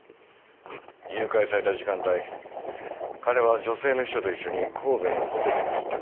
誘拐された時間帯彼は女性の秘書と一緒に神戸のホテルにいたんだ。